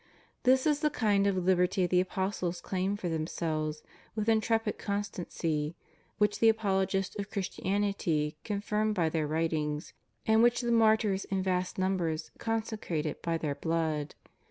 This is the kind of liberty the apostles claimed for themselves with intrepid constancy, which the apologists of Christianity con firmed by their writings, and which the martyrs in vast numbers consecrated by their blood.